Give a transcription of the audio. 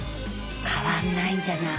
変わんないんじゃない？